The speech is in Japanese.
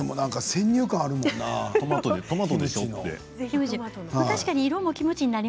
先入観があるもんな。